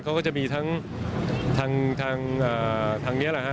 เขาก็จะมีทั้งนี้แหละครับ